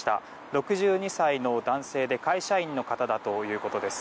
６２歳の男性で会社員の方だということです。